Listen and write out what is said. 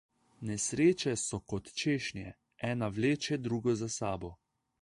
Nesreče so kot češnje, ena vleče drugo za sabo.